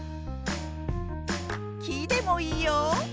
「き」でもいいよ！